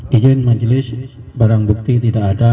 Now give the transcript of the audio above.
izin majelis barang bukti tidak ada